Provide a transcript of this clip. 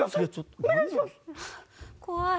怖い！